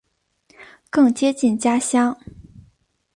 更接近家乡